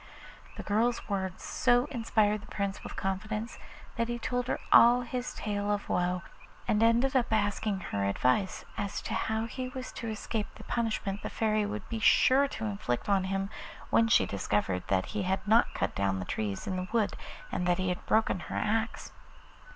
The girl's words so inspired the Prince with confidence that he told her all his tale of woe, and ended up by asking her advice as to how he was to escape the punishment the Fairy would be sure to inflict on him when she discovered that he had not cut down the trees in the wood and that he had broken her axe.